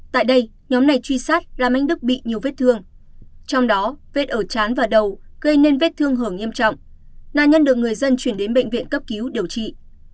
tại đây nhóm này truy sát làm anh đức bị nhiều vết thương trong đó vết ở chán và đầu gây nên vết thương hưởng nghiêm trọng nạn nhân được người dân chuyển đến bệnh viện cấp cứu điều trị